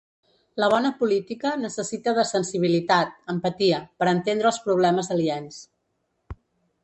La bona política necessita de sensibilitat, empatia, per entendre els problemes aliens.